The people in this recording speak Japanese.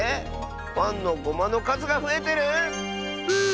パンのゴマのかずがふえてる⁉ブー！